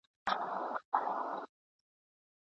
سیالان وختل تر ستورو تر سپوږمیو